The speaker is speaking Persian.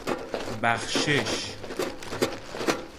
بخشش